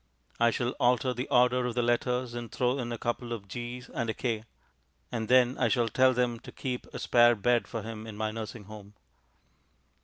I shall alter the order of the letters and throw in a couple of "g's" and a "k". And then I shall tell them to keep a spare bed for him in my nursing home.